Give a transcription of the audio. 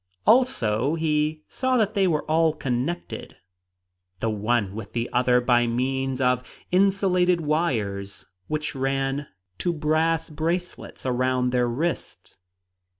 Also, he saw that they were all connected, the one with the other by means of insulated wires which ran to brass bracelets around their wrists.